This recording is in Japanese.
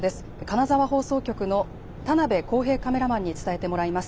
金沢放送局の田辺宏平カメラマンに伝えてもらいます。